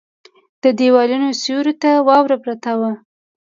د ديوالونو سيورو ته واوره پرته وه.